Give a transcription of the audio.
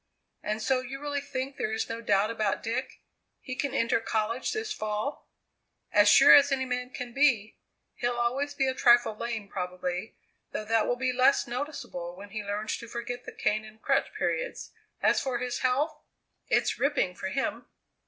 "And so you really think there is no doubt about Dick? He can enter college this fall?" "As sure as any man can be. He'll always be a trifle lame probably, though that will be less noticeable when he learns to forget the cane and crutch periods; as for his health it's ripping, for him!"